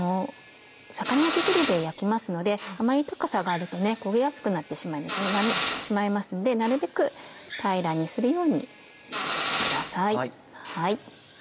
魚焼きグリルで焼きますのであまり高さがあると焦げやすくなってしまいますのでなるべく平らにするようにのせてください。